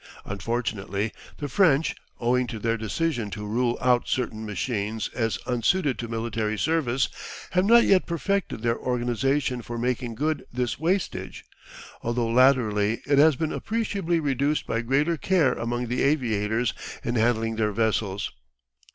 Unfortunately the French, owing to their decision to rule out certain machines as unsuited to military service, have not yet perfected their organisation for making good this wastage, although latterly it has been appreciably reduced by greater care among the aviators in handling their vessels.